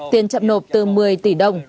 tiền chậm nộp từ một mươi tỷ đồng